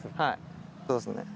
そうですね。